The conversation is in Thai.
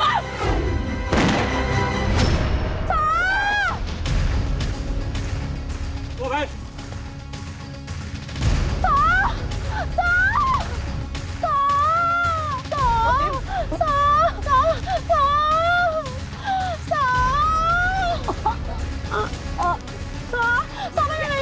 ไอ้พวกคนชั่ว